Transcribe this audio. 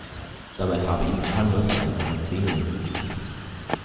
Dabei habe ihm Johannes einen seiner Zähne mitgegeben.